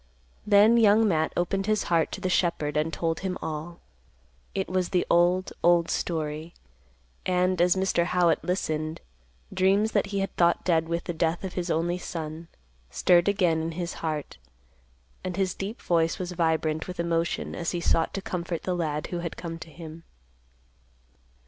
Then Young Matt opened his heart to the shepherd and told him all. It was the old, old story; and, as Mr. Howitt listened, dreams that he had thought dead with the death of his only son, stirred again in his heart, and his deep voice was vibrant with emotion as he sought to comfort the lad who had come to him.